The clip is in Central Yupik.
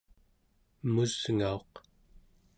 emusngauq